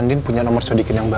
andin punya nomor sodikin yang baru